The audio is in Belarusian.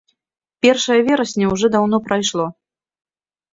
Першае верасня ўжо даўно прайшло.